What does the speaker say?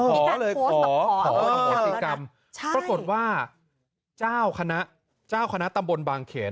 ขอเลยขอขออโหสิกรรมปรากฏว่าเจ้าคณะเจ้าคณะตำบลบางเขน